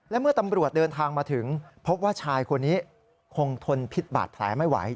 และเมื่อตำรวจเดินทางมาถึงพบว่าชายคนนี้คงทนพิษบาดแผลไม่ไหว